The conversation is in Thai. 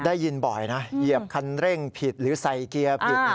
ได้ยินบ่อยนะเหยียบคันเร่งผิดหรือใส่เกียร์ผิด